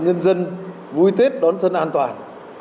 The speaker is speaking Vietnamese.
nhân dân vui thết đón sân an toàn